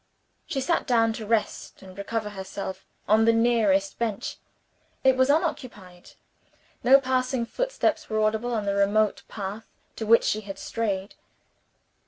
She sat down to rest and recover herself on the nearest bench. It was unoccupied. No passing footsteps were audible on the remote path to which she had strayed.